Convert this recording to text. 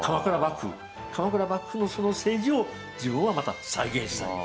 鎌倉幕府の政治を自分はまた再現したい。